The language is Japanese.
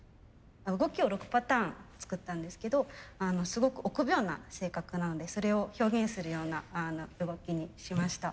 動きを６パターン作ったんですけどすごく臆病な性格なのでそれを表現するような動きにしました。